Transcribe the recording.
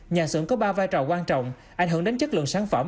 nhà xưởng có ba vai trò quan trọng ảnh hưởng đến chất lượng sản phẩm